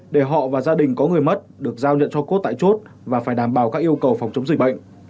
để họ và gia đình có người mất được giao nhận cho cốt tại chốt và phải đảm bảo các yêu cầu phòng chống dịch bệnh